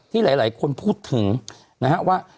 ที่หลายคนพูดถึงนะฮะว่า